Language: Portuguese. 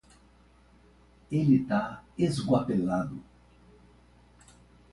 Ele tá esgualepado